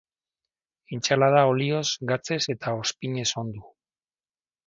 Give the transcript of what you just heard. Entsalada olioz, gatzez eta ozpinez ondu.